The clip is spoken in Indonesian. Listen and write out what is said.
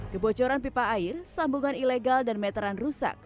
kebocoran pipa air sambungan ilegal dan meteran rusak